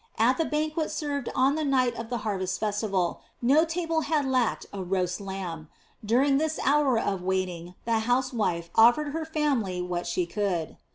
At the banquet served on the night of the harvest festival, no table had lacked a roast lamb; during this hour of waiting the housewife offered her family what she could.